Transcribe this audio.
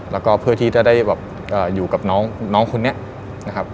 แล้วก็เพื่อที่จะได้แบบอยู่กับน้องคนนี้นะครับ